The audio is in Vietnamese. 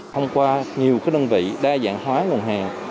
thông qua nhiều đơn vị đa dạng hóa nguồn hàng